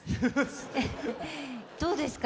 どうですか？